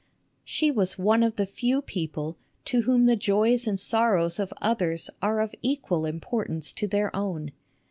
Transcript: She was one of the few people to whom the joys and sorrows of others are of equal importance to their own.